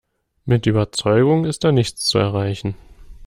Mit Überzeugung ist da nichts zu erreichen.